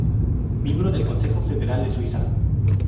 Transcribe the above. Miembro del Consejo Federal de Suiza.